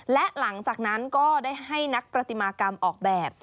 และหลังจากนั้นก็ได้ให้นักประติมากรรมออกแบบ